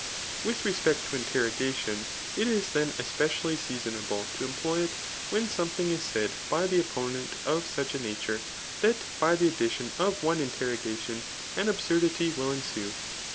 With respect to interrogation, it is then espedally seasonable to employ it, when something is said by the opponent of such a nature, that by the additbn of cme interrogation, an absurdity will etlsue.